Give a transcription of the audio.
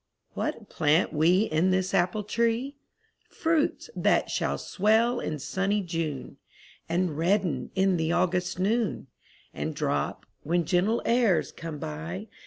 What plant we in this apple tree? Fruits that shall swell in sunny June, And redden in the August noon. And drop, when gentle airs come by.